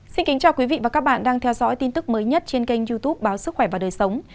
xin kính chào quý vị và các bạn đang theo dõi tin tức mới nhất trên kênh youtube báo sức khỏe và đời sống